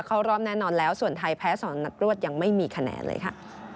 เข้ารอบแน่นอนแล้วส่วนไทยแพ้๒นัดรวดยังไม่มีคะแนนเลยค่ะ